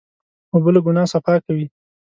اوبه له ګناه صفا کوي.